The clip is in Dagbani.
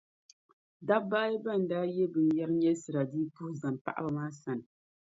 dobba ayi bɛn daa ye binyɛr’ nyɛlisira dii puhi zani paɣiba maa sani.